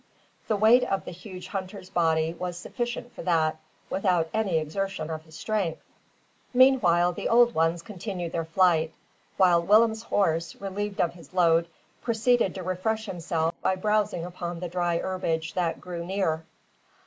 The weight of the huge hunter's body was sufficient for that, without any exertion of his strength. Meanwhile the old ones continued their flight, while Willem's horse, relieved of his load, proceeded to refresh himself by browsing upon the dry herbage that grew near.